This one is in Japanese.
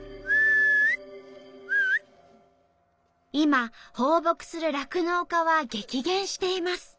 今放牧する酪農家は激減しています。